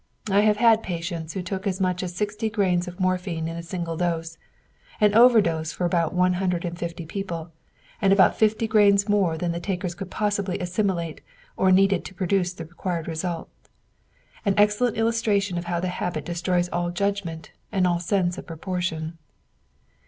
I have had patients who took as much as sixty grains of morphine in a single dose, an overdose for about one hundred and fifty people, and about fifty grains more than the takers could possibly assimilate or needed to produce the required result an excellent illustration of how the habit destroys all judgment and all sense of proportion.